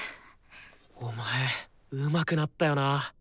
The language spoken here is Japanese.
お前うまくなったよなぁ。